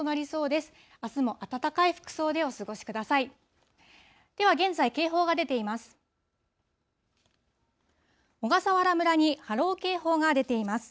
では現在警報が出ています。